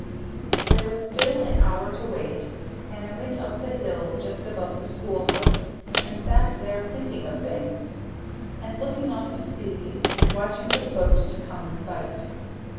There was still an hour to wait, and I went up the hill just above the schoolhouse and sat there thinking of things, and looking off to sea, and watching for the boat to come in sight.